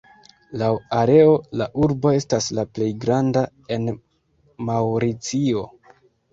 Laŭ areo la urbo estas la plej granda en Maŭricio.